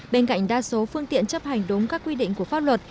bên cạnh đa số phương tiện chấp hành đúng các quy định của pháp luật